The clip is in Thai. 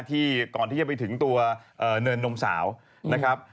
ที่ก่อนที่จะไปถึงตัวเนินนมสาวนะครับ